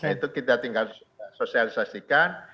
itu kita tinggal sosialisasikan